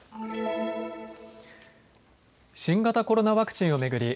新型コロナワクチンを巡り